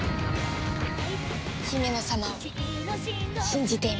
ヒメノ様を信じています。